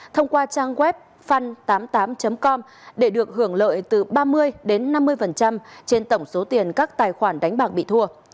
thông qua trang web fun tám mươi tám com để được hưởng lợi từ ba mươi đến năm mươi trên tổng số tiền các tài khoản đánh bạc bị thua